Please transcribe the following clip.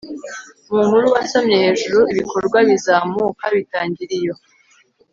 mu nkuru wasomye hejuru, ibikorwa bizamuka bitangira iyo